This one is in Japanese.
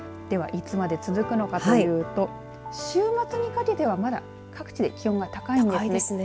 では、いつまで続くのかというと週末にかけては、まだ各地で気温が高いんですね。